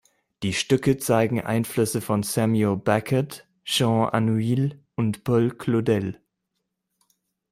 Die Stücke zeigen Einflüsse von Samuel Beckett, Jean Anouilh und Paul Claudel.